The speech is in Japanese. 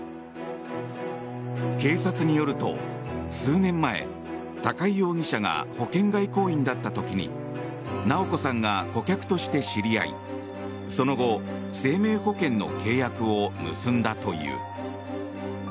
警察によると数年前高井容疑者が保険外交員だった時に直子さんが顧客として知り合いその後、生命保険の契約を結んだという。